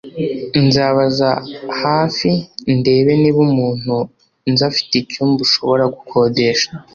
Nzabaza hafi ndebe niba umuntu nzi afite icyumba ushobora gukodesha.